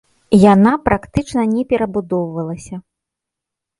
Яна практычна не перабудоўвалася.